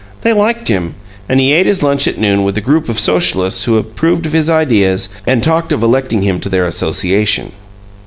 They liked him, and he ate his lunch at noon with a group of Socialists who approved of his ideas and talked of electing him to their association.